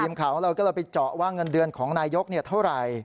ดิมข่าวเราก็ไปเจาะว่าเงินเดือนของนายกรัฐมนตรีประยุทธ์เท่าไร